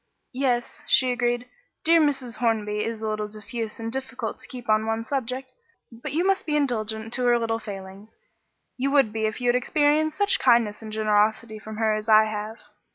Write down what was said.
"Yes," she agreed. "Dear Mrs. Hornby is a little diffuse and difficult to keep to one subject; but you must be indulgent to her little failings; you would be if you had experienced such kindness and generosity from her as I have."